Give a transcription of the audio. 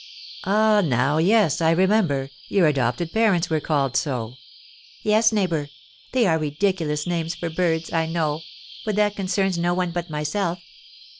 "Ah, now, yes, I remember, your adopted parents were called so." "Yes, neighbour, they are ridiculous names for birds, I know; but that concerns no one but myself.